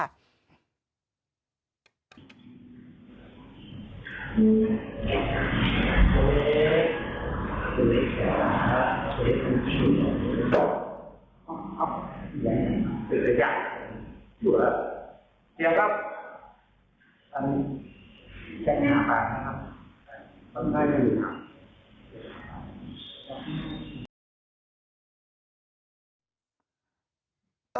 เตี๋ยวครับ